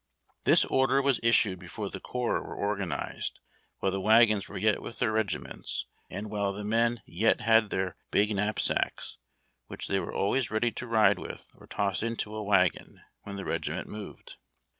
This order was issued before the corps Avere organized, while the wagons were yet with tlieir regiments, and while the men yet had their big knapsacks, which they were always ready to ride with or toss into a wagon when tlie regiment moved.